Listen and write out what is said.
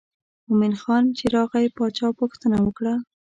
مومن خان چې راغی باچا پوښتنه وکړه.